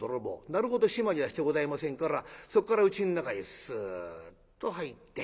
なるほど締まりはしてございませんからそっからうちの中へスッと入って。